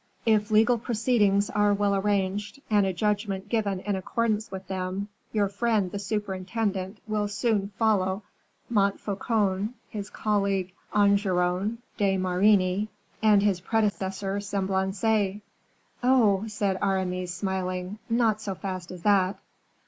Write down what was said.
If legal proceedings are well arranged, and a judgment given in accordance with them, your friend the superintendent will soon follow Montfaucon, his colleague Enguerrand de Marigny, and his predecessor, Semblancay." "Oh!" said Aramis, smiling, "not so fast as that."